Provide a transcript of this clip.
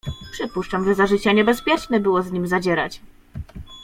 "Przypuszczam, że za życia niebezpieczne było z nim zadzierać."